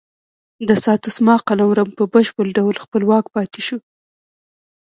د ساتسوما قلمرو په بشپړ ډول خپلواک پاتې شو.